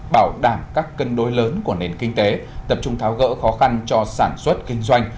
bảo đảm các cân đối lớn của nền kinh tế tập trung tháo gỡ khó khăn cho sản xuất kinh doanh